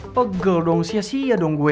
pegel dong sia sia dong gue